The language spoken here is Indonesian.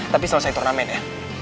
tapi selesai turnamen ya